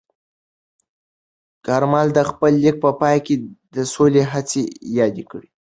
کارمل د خپل لیک په پای کې د سولې هڅې یادې کړې.